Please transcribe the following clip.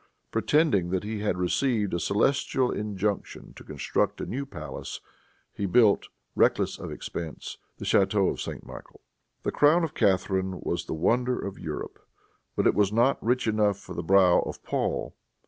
Pretending that he had received a celestial injunction to construct a new palace, he built, reckless of expense, the chateau of St. Michael. The crown of Catharine was the wonder of Europe, but it was not rich enough for the brow of Paul.